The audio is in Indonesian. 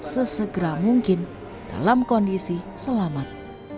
sesegera mungkin dalam kondisi selamat